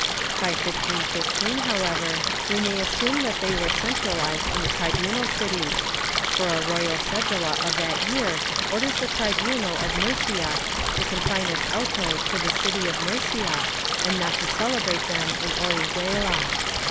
^ By 1515, however, we may assume that they were centralized in the tribunal cities, for a royal cedula of that year orders the tribunal of Murcia to confine its autos to the city of Murcia and not to cele brate them in Orihuela.